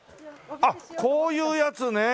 あっこういうやつね。